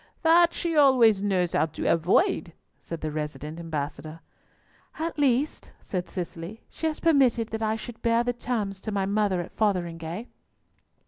"That she always knows how to avoid," said the resident ambassador. "At least," said Cicely, "she has permitted that I should bear the terms to my mother at Fotheringhay."